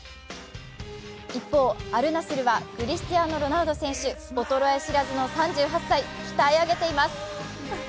一方、アル・ナスルはクリスティアーノ・ロナウド選手、衰え知らずの３８歳、鍛え上げています。